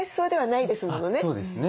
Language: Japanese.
そうですね。